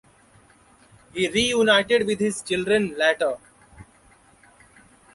He reunited with his children later.